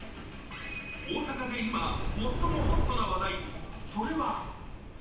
大阪で今、最もホットな話題、それは。